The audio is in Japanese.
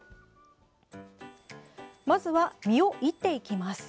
まずは実をいっていきます。